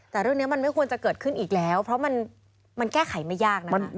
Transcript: แต่เรื่องนี้มันไม่ควรจะเกิดขึ้นอีกแล้วเพราะมันแก้ไขไม่ยากนะคะ